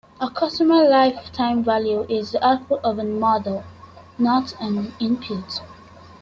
A Customer Life Time Value is the output of a model, not an input.